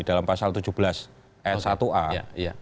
dalam pasal tujuh belas s satu a